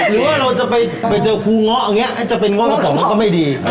หรือว่าเราจะไปเจอครูง้อจะเป็นง้อกระป๋องก็ไม่ดี